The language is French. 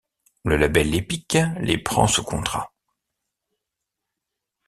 Le label Epic les prend sous contrat.